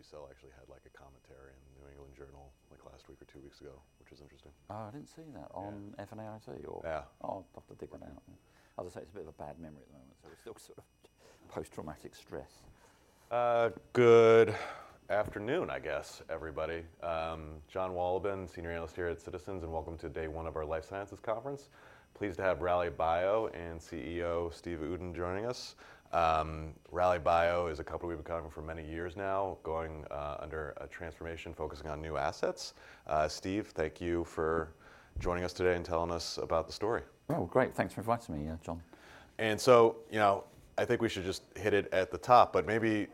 BCEL actually had, like, a commentary in the New England Journal, like, last week or two weeks ago, which was interesting. Oh, I didn't see that on FNAIT, or— Yeah. Oh, Dr. Dibben out. As I say, it's a bit of a bad memory at the moment, so we're still sort of post-traumatic stress. Good afternoon, I guess, everybody. Jon Wolleben, Senior Analyst here at Citizens, and welcome to day one of our Life Sciences Conference. Pleased to have Rallybio and CEO Steve Uden joining us. Rallybio is a company we've been covering for many years now, going under a transformation focusing on new assets. Steve, thank you for joining us today and telling us about the story. Oh, great. Thanks for inviting me, Jon. You know, I think we should just hit it at the top, but maybe,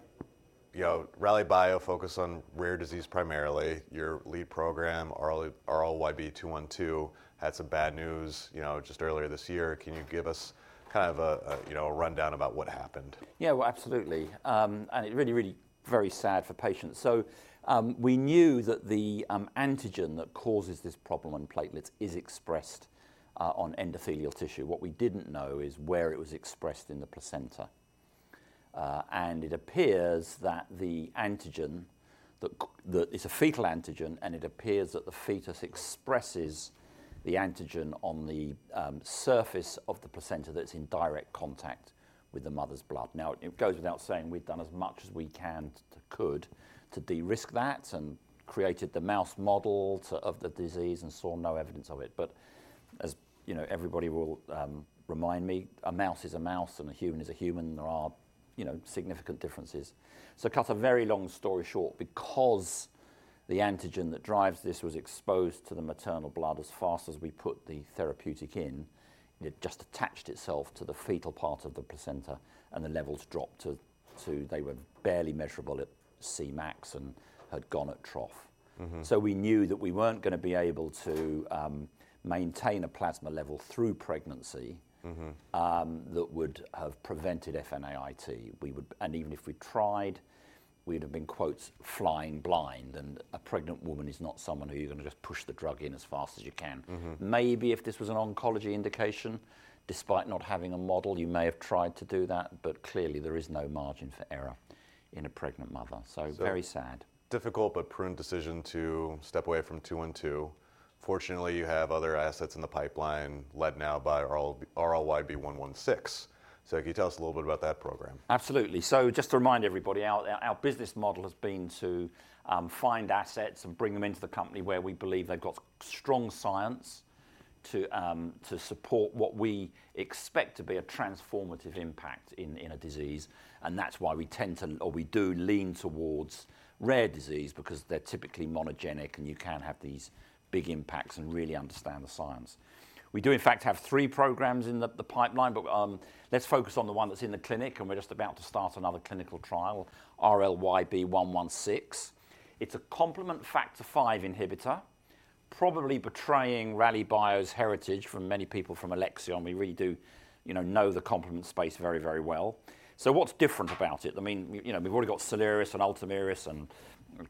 you know, Rallybio focused on rare disease primarily. Your lead program, RLYB212, had some bad news, you know, just earlier this year. Can you give us kind of a, you know, a rundown about what happened? Yeah, absolutely. It's really, really very sad for patients. We knew that the antigen that causes this problem in platelets is expressed on endothelial tissue. What we did not know is where it was expressed in the placenta. It appears that the antigen—it's a fetal antigen—and it appears that the fetus expresses the antigen on the surface of the placenta that is in direct contact with the mother's blood. It goes without saying we have done as much as we could to de-risk that and created the mouse model of the disease and saw no evidence of it. As you know, everybody will remind me, a mouse is a mouse and a human is a human. There are, you know, significant differences. To cut a very long story short, because the antigen that drives this was exposed to the maternal blood as fast as we put the therapeutic in, it just attached itself to the fetal part of the placenta and the levels dropped to—they were barely measurable at Cmax and had gone at trough. We knew that we were not going to be able to maintain a plasma level through pregnancy that would have prevented FNAIT. Even if we tried, we would have been, quote, "flying blind," and a pregnant woman is not someone who you are going to just push the drug in as fast as you can. Maybe if this was an oncology indication, despite not having a model, you may have tried to do that, but clearly there is no margin for error in a pregnant mother. Very sad. Difficult but prudent decision to step away from 212. Fortunately, you have other assets in the pipeline led now by RLYB116. Can you tell us a little bit about that program? Absolutely. Just to remind everybody, our business model has been to find assets and bring them into the company where we believe they've got strong science to support what we expect to be a transformative impact in a disease. That's why we tend to, or we do lean towards rare disease, because they're typically monogenic and you can have these big impacts and really understand the science. We do, in fact, have three programs in the pipeline, but let's focus on the one that's in the clinic and we're just about to start another clinical trial, RLYB116. It's a Complement Factor 5 inhibitor, probably betraying Rallybio's heritage from many people from Alexion. We really do, you know, know the complement space very, very well. What's different about it? I mean, you know, we've already got SOLIRIS and ULTOMIRIS and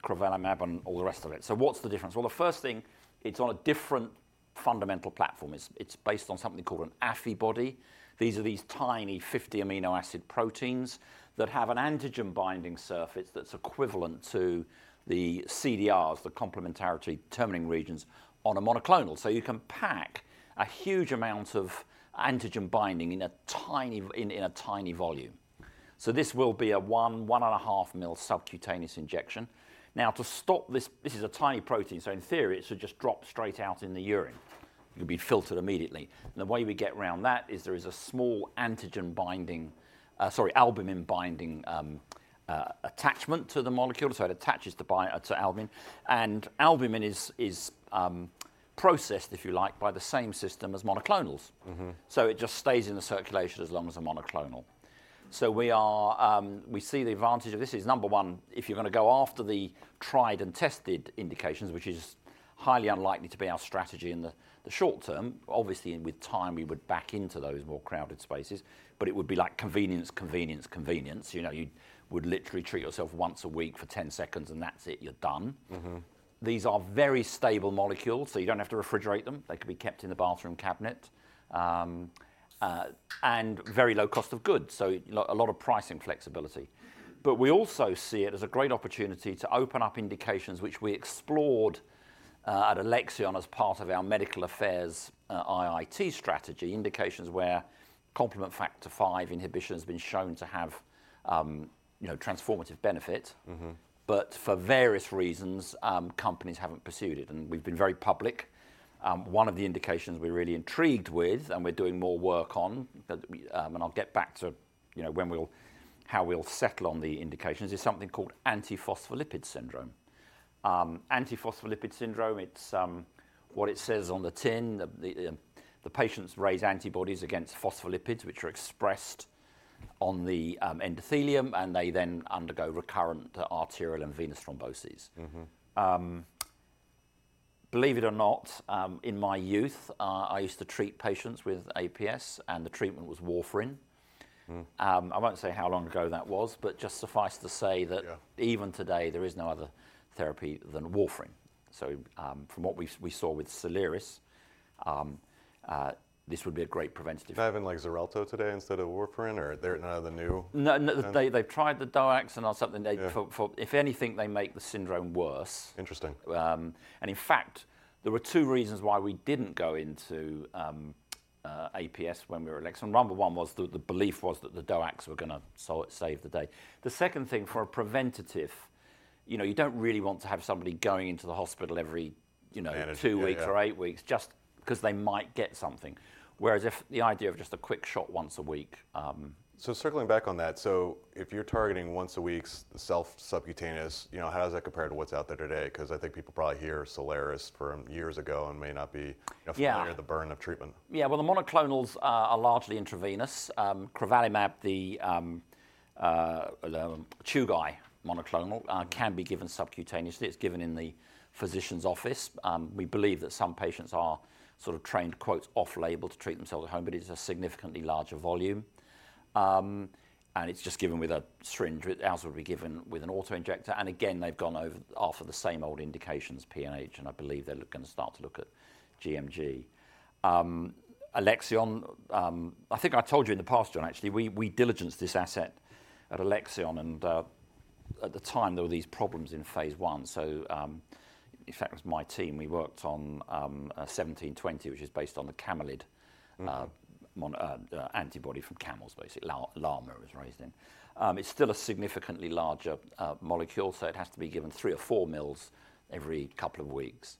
Crovalimab and all the rest of it. What's the difference? The first thing, it's on a different fundamental platform. It's based on something called an Affibody. These are these tiny 50 amino acid proteins that have an antigen binding surface that's equivalent to the CDRs, the complementarity determining regions, on a monoclonal. You can pack a huge amount of antigen binding in a tiny, in a tiny volume. This will be a 1 mL, 1.5 mL subcutaneous injection. Now, to stop this, this is a tiny protein, so in theory it should just drop straight out in the urine. It would be filtered immediately. The way we get around that is there is a small albumin binding attachment to the molecule, so it attaches to albumin. Albumin is processed, if you like, by the same system as monoclonals. It just stays in the circulation as long as a monoclonal. We see the advantage of this is, number one, if you're going to go after the tried and tested indications, which is highly unlikely to be our strategy in the short term, obviously with time we would back into those more crowded spaces, but it would be like convenience, convenience, convenience. You would literally treat yourself once a week for 10 seconds and that's it, you're done. These are very stable molecules, so you don't have to refrigerate them. They could be kept in the bathroom cabinet and very low cost of goods, so a lot of pricing flexibility. We also see it as a great opportunity to open up indications, which we explored at Alexion as part of our medical affairs IIT strategy, indications where Complement Factor 5 inhibition has been shown to have, you know, transformative benefit, but for various reasons companies have not pursued it. We have been very public. One of the indications we are really intrigued with and we are doing more work on, and I will get back to, you know, when we will, how we will settle on the indications, is something called antiphospholipid syndrome. Antiphospholipid syndrome, it is what it says on the tin, the patients raise antibodies against phospholipids, which are expressed on the endothelium, and they then undergo recurrent arterial and venous thromboses. Believe it or not, in my youth, I used to treat patients with APS, and the treatment was Warfarin. I won't say how long ago that was, but just suffice to say that even today there is no other therapy than Warfarin. So from what we saw with SOLIRIS, this would be a great preventative. They're having like Xarelto today instead of Warfarin, or they're not on the new? No, they've tried the DOACs and on something they've, if anything, they make the syndrome worse. Interesting. In fact, there were two reasons why we did not go into APS when we were at Alexion. Number one was that the belief was that the DOACs were going to save the day. The second thing for a preventative, you know, you do not really want to have somebody going into the hospital every, you know, two weeks or eight weeks, just because they might get something. Whereas if the idea of just a quick shot once a week. Circling back on that, if you're targeting once a week self-subcutaneous, you know, how does that compare to what's out there today? Because I think people probably hear SOLIRIS from years ago and may not be familiar with the burn of treatment. Yeah, the monoclonals are largely intravenous. Crovalimab, the Chugai monoclonal, can be given subcutaneously. It's given in the physician's office. We believe that some patients are sort of trained, quote, "off label" to treat themselves at home, but it's a significantly larger volume. It's just given with a syringe. Ours will be given with an autoinjector. Again, they've gone over after the same old indications, PNH, and I believe they're going to start to look at gMG. Alexion, I think I told you in the past, Jon, actually, we diligenced this asset at Alexion, and at the time there were these problems in phase I. In fact, it was my team, we worked on 1720, which is based on the camelid antibody from camels, basically llama was raised in. It's still a significantly larger molecule, so it has to be given 3 mL or 4 mL every couple of weeks.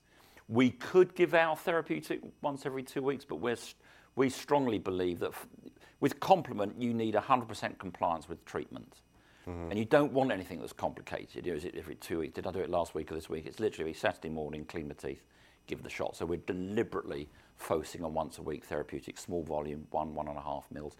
We could give our therapeutic once every two weeks, but we strongly believe that with complement you need 100% compliance with treatment. You do not want anything that's complicated. Every two weeks, did I do it last week or this week? It's literally every Saturday morning, clean my teeth, give the shot. We are deliberately focusing on once a week therapeutic, small volume, 1 mL, 1.5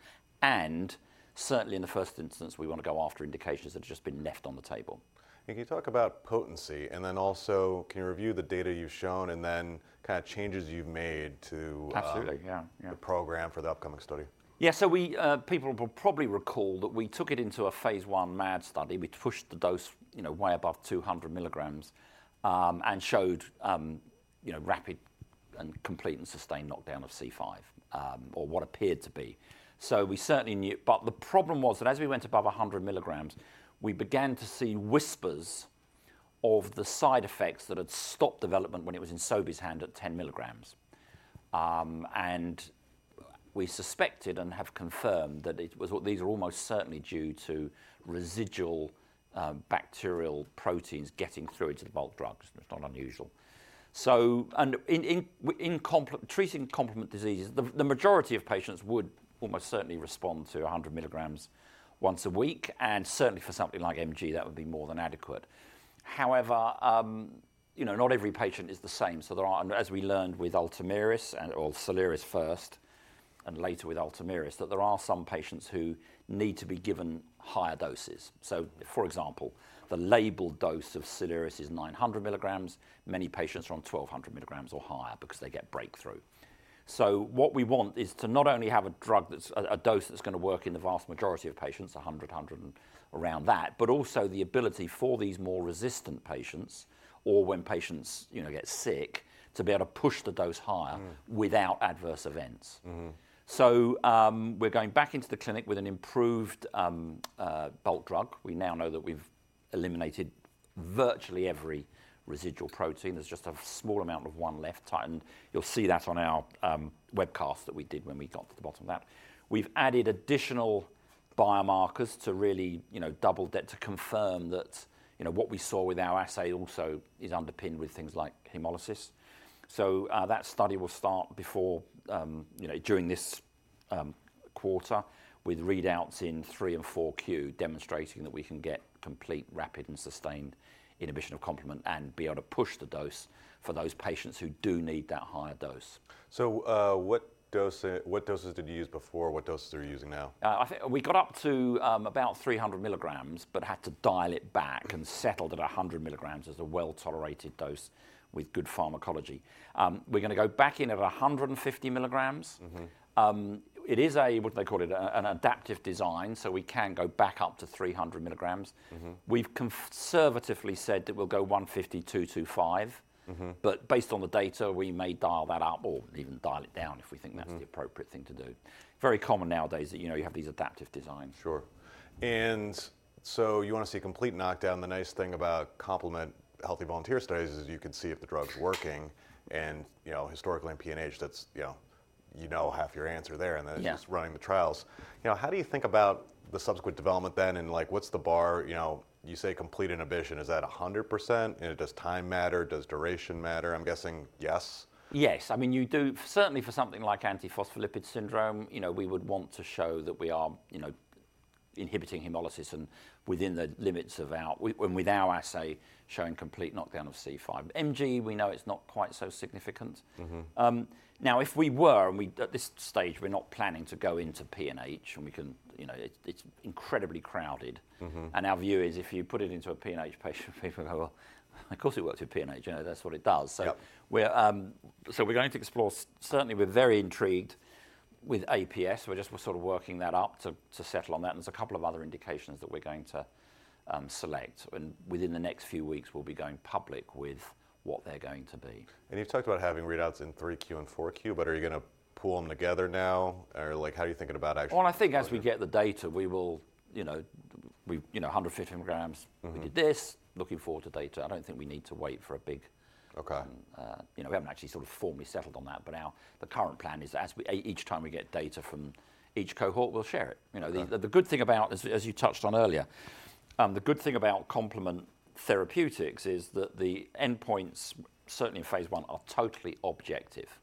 mL. Certainly in the first instance, we want to go after indications that have just been left on the table. Can you talk about potency and then also can you review the data you've shown and then kind of changes you've made to the program for the upcoming study? Yeah, so people will probably recall that we took it into a phase I MAD study. We pushed the dose, you know, way above 200 milligrams and showed, you know, rapid and complete and sustained knockdown of C5, or what appeared to be. So we certainly knew, but the problem was that as we went above 100 milligrams, we began to see whispers of the side effects that had stopped development when it was in Sobeys' hand at 10 milligrams. And we suspected and have confirmed that it was, these are almost certainly due to residual bacterial proteins getting through into the bulk drugs. It's not unusual. So in treating complement diseases, the majority of patients would almost certainly respond to 100 milligrams once a week, and certainly for something like mg that would be more than adequate. However, you know, not every patient is the same. There are, as we learned with ULTOMIRIS and/or SOLIRIS first, and later with ULTOMIRIS, that there are some patients who need to be given higher doses. For example, the labeled dose of SOLIRIS is 900 milligrams. Many patients are on 1,200 milligrams or higher because they get breakthrough. What we want is to not only have a drug that's a dose that's going to work in the vast majority of patients, 100, 100, around that, but also the ability for these more resistant patients or when patients, you know, get sick, to be able to push the dose higher without adverse events. We're going back into the clinic with an improved bulk drug. We now know that we've eliminated virtually every residual protein. There's just a small amount of one left. You'll see that on our webcast that we did when we got to the bottom of that. We've added additional biomarkers to really, you know, double that to confirm that, you know, what we saw with our assay also is underpinned with things like hemolysis. That study will start before, you know, during this quarter with readouts in 3Q and 4Q demonstrating that we can get complete, rapid, and sustained inhibition of complement and be able to push the dose for those patients who do need that higher dose. What doses did you use before? What doses are you using now? We got up to about 300 milligrams, but had to dial it back and settled at 100 milligrams as a well-tolerated dose with good pharmacology. We're going to go back in at 150 milligrams. It is a, what they call it, an adaptive design, so we can go back up to 300 milligrams. We've conservatively said that we'll go 150-225, but based on the data, we may dial that up or even dial it down if we think that's the appropriate thing to do. Very common nowadays that, you know, you have these adaptive designs. Sure. You want to see complete knockdown. The nice thing about complement healthy volunteer studies is you can see if the drug's working. You know, historically in PNH, that's, you know, half your answer there and then it's just running the trials. You know, how do you think about the subsequent development then and like what's the bar? You know, you say complete inhibition. Is that 100%? Does time matter? Does duration matter? I'm guessing yes. Yes. I mean, you do certainly for something like antiphospholipid syndrome, you know, we would want to show that we are, you know, inhibiting hemolysis and within the limits of our, and with our assay showing complete knockdown of C5. mg, we know it's not quite so significant. Now, if we were, and at this stage we're not planning to go into PNH and we can, you know, it's incredibly crowded. Our view is if you put it into a PNH patient, people go, well, of course it works with PNH, you know, that's what it does. We are going to explore, certainly we're very intrigued with APS. We're just sort of working that up to settle on that. There's a couple of other indications that we're going to select. Within the next few weeks, we'll be going public with what they're going to be. You've talked about having readouts in 3Q and 4Q, but are you going to pull them together now? Or like how are you thinking about actually? I think as we get the data, we will, you know, 150 milligrams, we did this. Looking forward to data. I do not think we need to wait for a big, you know, we have not actually sort of formally settled on that, but now the current plan is that each time we get data from each cohort, we will share it. You know, the good thing about, as you touched on earlier, the good thing about complement therapeutics is that the endpoints, certainly in phase I, are totally objective.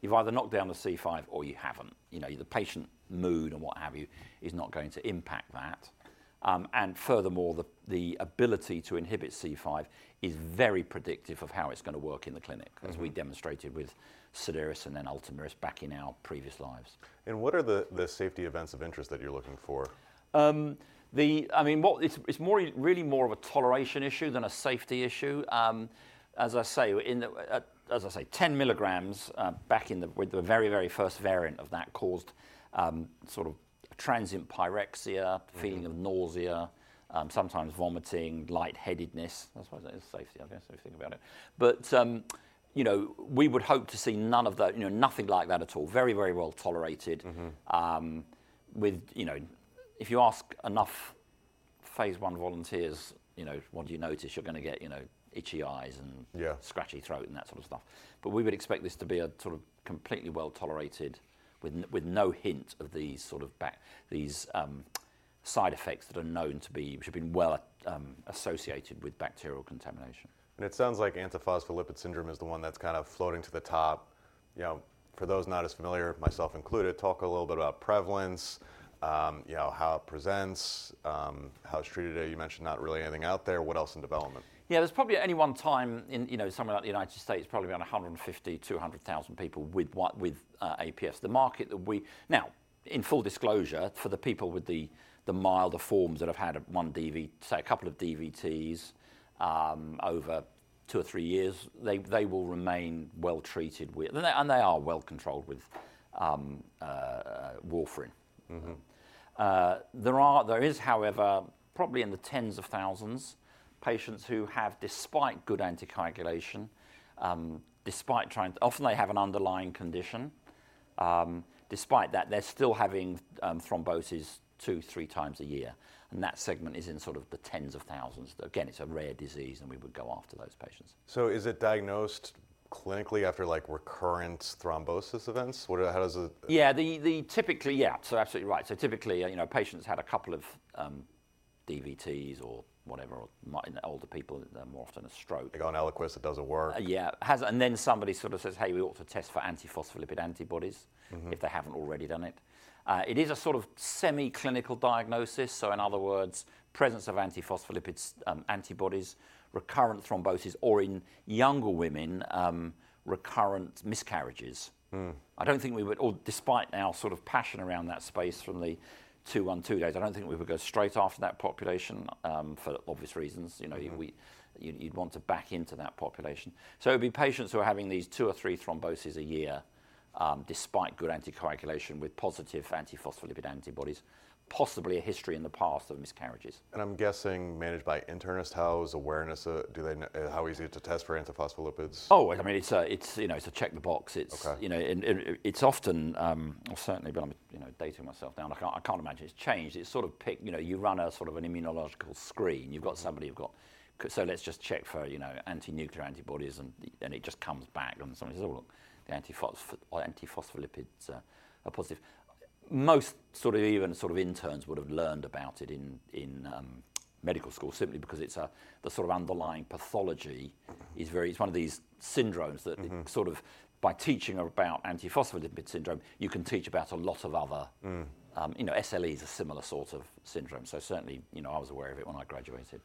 You have either knocked down the C5 or you have not. You know, the patient mood and what have you is not going to impact that. Furthermore, the ability to inhibit C5 is very predictive of how it is going to work in the clinic, as we demonstrated with SOLIRIS and then ULTOMIRIS back in our previous lives. What are the safety events of interest that you're looking for? I mean, it's really more of a toleration issue than a safety issue. As I say, 10 milligrams back in the very, very first variant of that caused sort of transient pyrexia, feeling of nausea, sometimes vomiting, lightheadedness. That's why it's safety, I guess, if you think about it. But, you know, we would hope to see none of that, you know, nothing like that at all. Very, very well tolerated with, you know, if you ask enough phase I volunteers, you know, what do you notice? You're going to get, you know, itchy eyes and scratchy throat and that sort of stuff. We would expect this to be a sort of completely well tolerated with no hint of these sort of side effects that are known to be, which have been well associated with bacterial contamination. It sounds like antiphospholipid syndrome is the one that's kind of floating to the top. You know, for those not as familiar, myself included, talk a little bit about prevalence, you know, how it presents, how it's treated. You mentioned not really anything out there. What else in development? Yeah, there's probably at any one time in, you know, somewhere like the United States, probably around 150,000-200,000 people with APS. The market that we, now in full disclosure for the people with the milder forms that have had one DVT, say a couple of DVTs over two or three years, they will remain well treated with, and they are well controlled with Warfarin. There is, however, probably in the tens of thousands patients who have, despite good anticoagulation, despite trying, often they have an underlying condition. Despite that, they're still having thrombosis two, three times a year. That segment is in sort of the tens of thousands. Again, it's a rare disease and we would go after those patients. Is it diagnosed clinically after like recurrent thrombosis events? How does it? Yeah, typically, yeah, so absolutely right. So typically, you know, patients had a couple of DVTs or whatever, older people, they're more often a stroke. They go on Eliquis, it doesn't work. Yeah, and then somebody sort of says, hey, we ought to test for antiphospholipid antibodies if they have not already done it. It is a sort of semi-clinical diagnosis. In other words, presence of antiphospholipid antibodies, recurrent thrombosis, or in younger women, recurrent miscarriages. I do not think we would, or despite our sort of passion around that space from the two-one-two days, I do not think we would go straight after that population for obvious reasons. You know, you would want to back into that population. It would be patients who are having these two or three thromboses a year despite good anticoagulation with positive antiphospholipid antibodies, possibly a history in the past of miscarriages. I'm guessing managed by internist. How is awareness? How easy is it to test for antiphospholipids? Oh, I mean, it's, you know, it's a check the box. It's, you know, it's often, well, certainly, but I'm, you know, dating myself down. I can't imagine it's changed. It's sort of picked, you know, you run a sort of an immunological screen. You've got somebody who've got, so let's just check for, you know, anti-nuclear antibodies and it just comes back and somebody says, oh, look, the antiphospholipids are positive. Most sort of even sort of interns would have learned about it in medical school simply because it's the sort of underlying pathology is very, it's one of these syndromes that sort of by teaching about antiphospholipid syndrome, you can teach about a lot of other, you know, SLE is a similar sort of syndrome. Certainly, you know, I was aware of it when I graduated.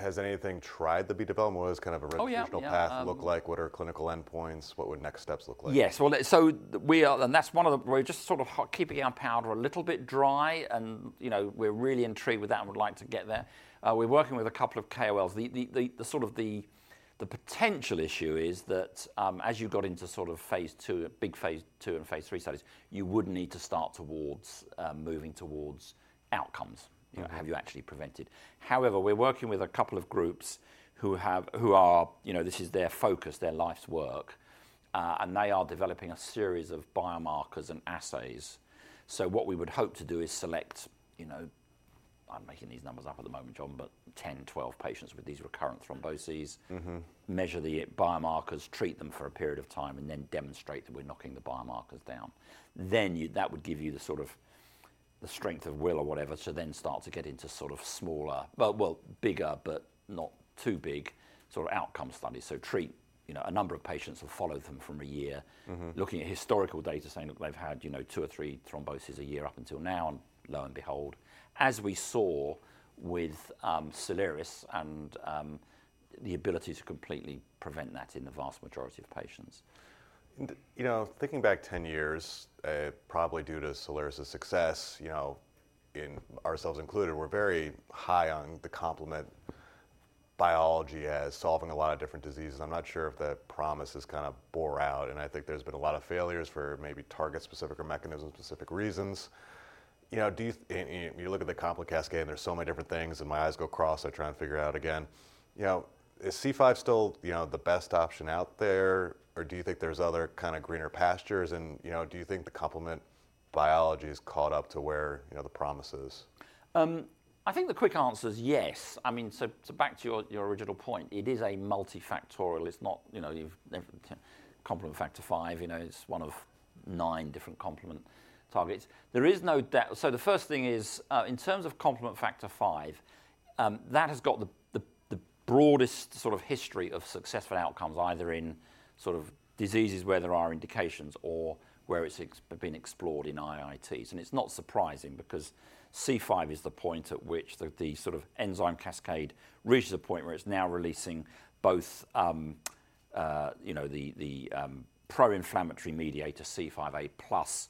Has anything tried to be developed? What does kind of a regional path look like? What are clinical endpoints? What would next steps look like? Yes, we are, and that's one of the, we're just sort of keeping our powder a little bit dry and, you know, we're really intrigued with that and we'd like to get there. We're working with a couple of KOLs. The sort of the potential issue is that as you got into sort of phase II, big phase II and phase III studies, you would need to start towards moving towards outcomes, you know, have you actually prevented. However, we're working with a couple of groups who have, who are, you know, this is their focus, their life's work, and they are developing a series of biomarkers and assays. What we would hope to do is select, you know, I'm making these numbers up at the moment, Jon, but 10-12 patients with these recurrent thromboses, measure the biomarkers, treat them for a period of time, and then demonstrate that we're knocking the biomarkers down. That would give you the sort of the strength of will or whatever to then start to get into sort of smaller, well, bigger, but not too big sort of outcome studies. Treat, you know, a number of patients, follow them for a year, looking at historical data saying, look, they've had, you know, two or three thromboses a year up until now, and lo and behold, as we saw with SOLIRIS and the ability to completely prevent that in the vast majority of patients. You know, thinking back 10 years, probably due to SOLIRIS's success, you know, in ourselves included, we're very high on the complement biology as solving a lot of different diseases. I'm not sure if the promise has kind of borne out, and I think there's been a lot of failures for maybe target specific or mechanism specific reasons. You know, do you, when you look at the complex cascade, and there's so many different things, and my eyes go cross, I try and figure it out again. You know, is C5 still, you know, the best option out there, or do you think there's other kind of greener pastures, and, you know, do you think the complement biology is caught up to where, you know, the promise is? I think the quick answer is yes. I mean, back to your original point, it is multifactorial. It's not, you know, you've Complement Factor 5, you know, it's one of nine different complement targets. There is no doubt. The first thing is in terms of Complement Factor 5, that has got the broadest sort of history of successful outcomes, either in diseases where there are indications or where it's been explored in IITs. It's not surprising because C5 is the point at which the enzyme cascade reaches a point where it's now releasing both, you know, the pro-inflammatory mediator C5a plus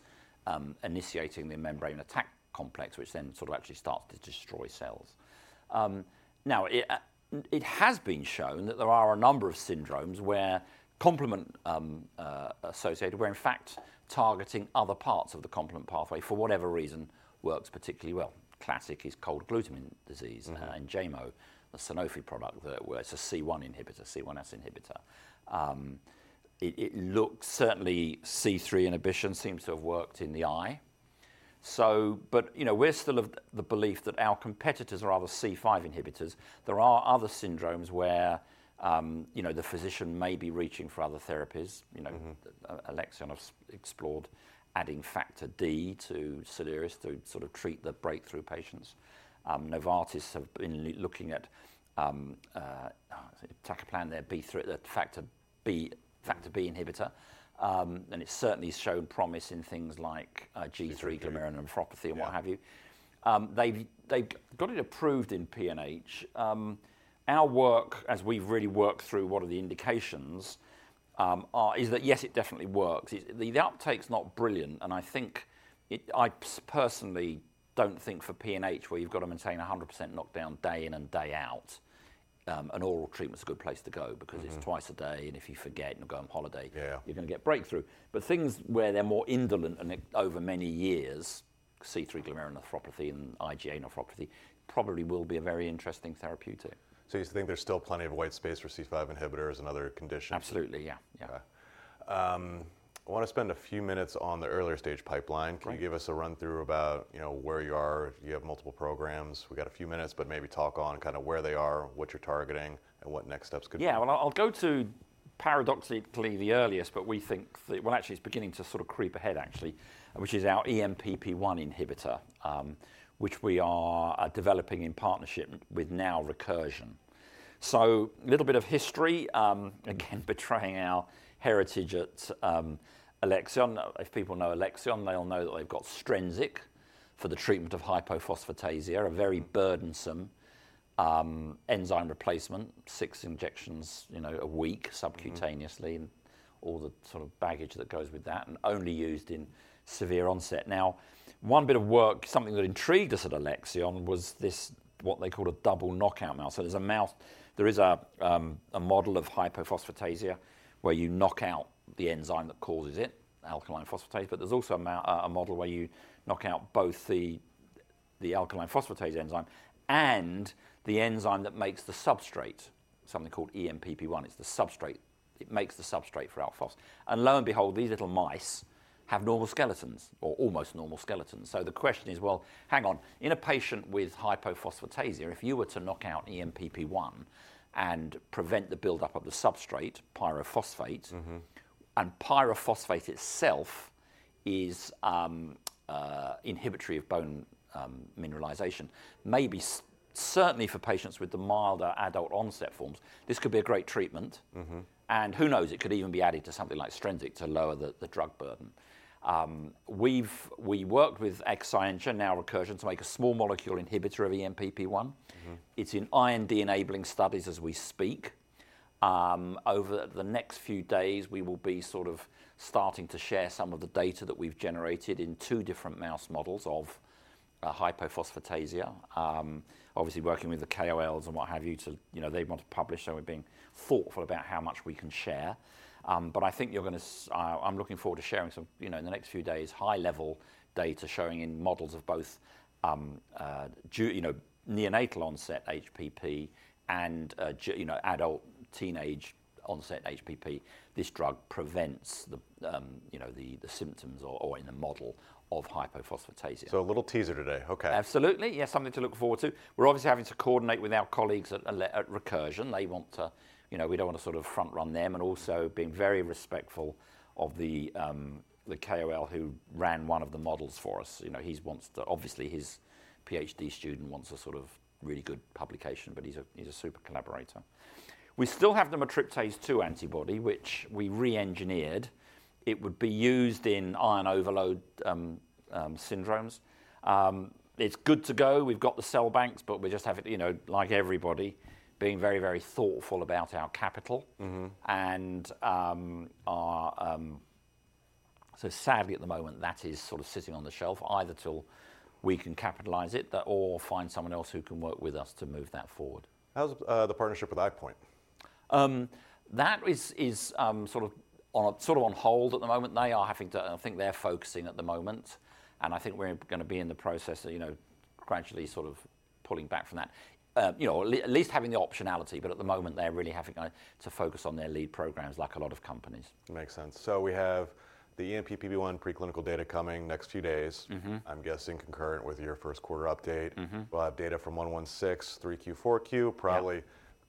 initiating the membrane attack complex, which then actually starts to destroy cells. Now, it has been shown that there are a number of syndromes where complement associated, where in fact targeting other parts of the complement pathway for whatever reason works particularly well. Classic is cold agglutinin disease and ENJAYMO, a Sanofi product that works as a C1 inhibitor, C1s inhibitor. It looks certainly C3 inhibition seems to have worked in the eye. You know, we're still of the belief that our competitors are other C5 inhibitors. There are other syndromes where, you know, the physician may be reaching for other therapies, you know, Alexion have explored adding factor D to SOLRIS to sort of treat the breakthrough patients. Novartis have been looking at iptacopan, their factor B inhibitor, and it's certainly shown promise in things like C3 glomerular nephropathy and what have you. They've got it approved in PNH. Our work, as we've really worked through what are the indications, is that yes, it definitely works. The uptake's not brilliant, and I think I personally don't think for PNH where you've got to maintain 100% knockdown day in and day out, an oral treatment's a good place to go because it's twice a day, and if you forget and go on holiday, you're going to get breakthrough. Things where they're more indolent and over many years, C3 glomerular nephropathy and IgA nephropathy probably will be a very interesting therapeutic. You think there's still plenty of white space for C5 inhibitors and other conditions? Absolutely, yeah. I want to spend a few minutes on the earlier stage pipeline. Can you give us a run-through about, you know, where you are? You have multiple programs. We've got a few minutes, but maybe talk on kind of where they are, what you're targeting, and what next steps could be. Yeah, I'll go to paradoxically the earliest, but we think that, actually it's beginning to sort of creep ahead actually, which is our ENPP1 inhibitor, which we are developing in partnership with now Recursion. A little bit of history, again, betraying our heritage at Alexion. If people know Alexion, they'll know that they've got STRENSIQ for the treatment of hypophosphatasia, a very burdensome enzyme replacement, six injections, you know, a week subcutaneously, and all the sort of baggage that goes with that, and only used in severe onset. Now, one bit of work, something that intrigued us at Alexion was this, what they call a double knockout mouse. There is a model of hypophosphatasia where you knock out the enzyme that causes it, alkaline phosphatase, but there is also a model where you knock out both the alkaline phosphatase enzyme and the enzyme that makes the substrate, something called ENPP1. It is the substrate. It makes the substrate for Alphos. Lo and behold, these little mice have normal skeletons or almost normal skeletons. The question is, hang on, in a patient with hypophosphatasia, if you were to knock out ENPP1 and prevent the buildup of the substrate, pyrophosphate, and pyrophosphate itself is inhibitory of bone mineralization, maybe certainly for patients with the milder adult onset forms, this could be a great treatment. Who knows, it could even be added to something like STRENSIQ to lower the drug burden. We've worked with [exine geno Recursion] to make a small molecule inhibitor of ENPP1. It's in IND-enabling studies as we speak. Over the next few days, we will be sort of starting to share some of the data that we've generated in two different mouse models of hypophosphatasia, obviously working with the KOLs and what have you to, you know, they want to publish and we're being thoughtful about how much we can share. I think you're going to, I'm looking forward to sharing some, you know, in the next few days, high-level data showing in models of both, you know, neonatal onset HPP and, you know, adult teenage onset HPP. This drug prevents the, you know, the symptoms or in the model of hypophosphatasia. A little teaser today. Okay. Absolutely. Yeah, something to look forward to. We're obviously having to coordinate with our colleagues at Recursion. They want to, you know, we don't want to sort of front-run them and also being very respectful of the KOL who ran one of the models for us. You know, he wants to, obviously his PhD student wants a sort of really good publication, but he's a super collaborator. We still have the Matriptase 2 antibody, which we re-engineered. It would be used in iron overload syndromes. It's good to go. We've got the cell banks, but we just have it, you know, like everybody, being very, very thoughtful about our capital. And so sadly at the moment, that is sort of sitting on the shelf, either till we can capitalize it or find someone else who can work with us to move that forward. How's the partnership with EyePoint? That is sort of on hold at the moment. They are having to, I think they're focusing at the moment. I think we're going to be in the process of, you know, gradually sort of pulling back from that, you know, at least having the optionality, but at the moment they're really having to focus on their lead programs like a lot of companies. Makes sense. We have the ENPP1 preclinical data coming next few days. I'm guessing concurrent with your first quarter update. We'll have data from 116, 3Q, 4Q, probably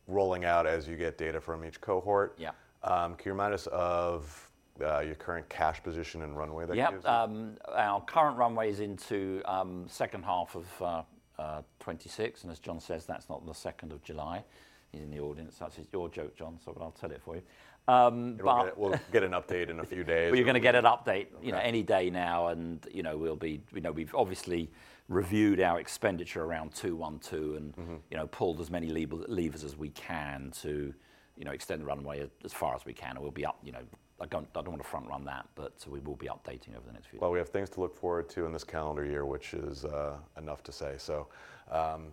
rolling out as you get data from each cohort. Can you remind us of your current cash position and runway that you have? Yeah, our current runway is into second half of 2026. And as John says, that's not the second of July. He's in the audience. That's your joke, John, so I'll tell it for you. We'll get an update in a few days. We're going to get an update, you know, any day now. You know, we've obviously reviewed our expenditure around 212 and, you know, pulled as many levers as we can to, you know, extend the runway as far as we can. We'll be up, you know, I don't want to front-run that, but we will be updating over the next few days. We have things to look forward to in this calendar year, which is enough to say.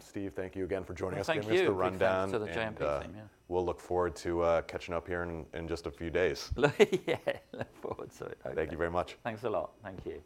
Steve, thank you again for joining us. Thank you for the rundown. We'll look forward to catching up here in just a few days. Yeah, look forward to it. Thank you very much. Thanks a lot. Thank you.